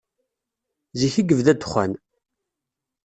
Zik i yebda ddexxan.